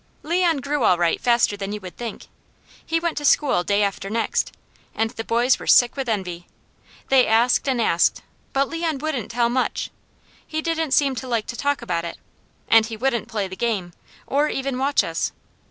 Leon grew all right faster than you would think. He went to school day after next, and the boys were sick with envy. They asked and asked, but Leon wouldn't tell much. He didn't seem to like to talk about it, and he wouldn't play the game or even watch us.